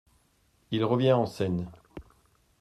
Il revient en scène.